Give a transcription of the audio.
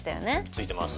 ついてます。